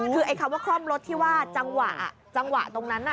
คือไอ้คำว่าคล่อมรถที่ว่าจังหวะจังหวะตรงนั้นน่ะ